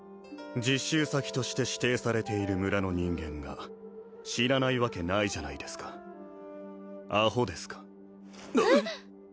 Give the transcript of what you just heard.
実習先として指定されている村の人間が知らないわけないじゃないですかアホですかえっ？